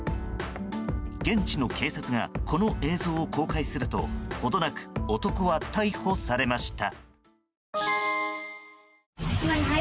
現地の警察がこの映像を公開すると程なく男は逮捕されました。